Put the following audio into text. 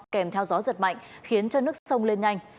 kèm theo gió giật mạnh